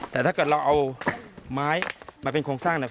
แต่ถ้าเกิดเราเอาไม้มาเป็นโครงสร้างเนี่ย